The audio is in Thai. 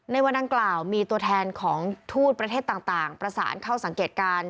ในวันอังกล่าวมีตัวแทนของทูตประเทศต่างประสานเข้าสังเกตการณ์